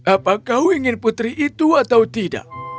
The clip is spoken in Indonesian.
apa kau ingin putri itu atau tidak